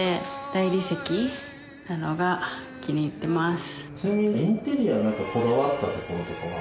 なのが気に入ってます。